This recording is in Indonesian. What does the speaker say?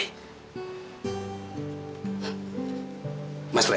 mas pray itu sama sekali bukan saingan buat mas pray